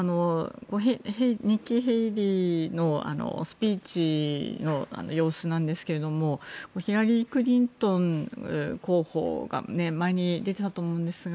ニッキー・ヘイリーのスピーチの様子なんですがヒラリー・クリントン候補が前に出ていたと思うんですが